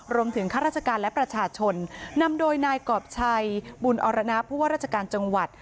ข้าราชการและประชาชนนำโดยนายกรอบชัยบุญอรณาผู้ว่าราชการจังหวัด